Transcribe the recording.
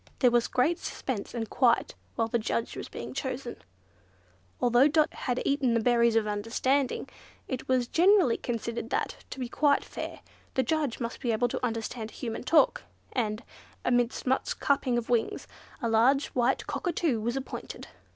There was great suspense and quiet while the Judge was being chosen. Although Dot had eaten the berries of understanding, it was generally considered that, to be quite fair, the judge must be able to understand human talk; and, amidst much clapping of wings, a large white Cockatoo was appointed.